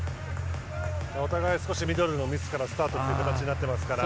お互いミドルのミスからスタートという形になっていますから。